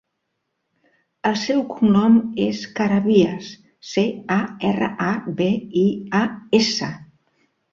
El seu cognom és Carabias: ce, a, erra, a, be, i, a, essa.